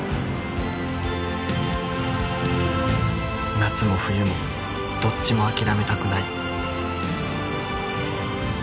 夏も冬もどっちもあきらめたくない。